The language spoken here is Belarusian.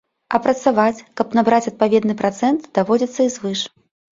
А працаваць, каб набраць адпаведны працэнт, даводзіцца і звыш.